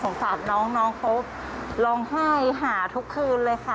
สงสัยน้องเขาลองไห้หาทุกคืนเลยค่ะ